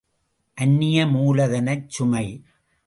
அந்நிய மூலதனச் சுமை!